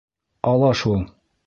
Ала шул.